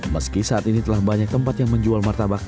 meski saat ini telah banyak tempat yang menjualnya